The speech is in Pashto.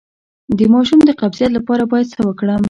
د ماشوم د قبضیت لپاره باید څه وکړم؟